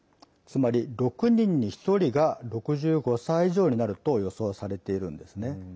つまり、６人に１人が６５歳以上になると予想されているんですね。